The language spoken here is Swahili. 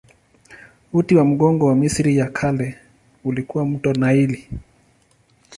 Uti wa mgongo wa Misri ya Kale ulikuwa mto Naili.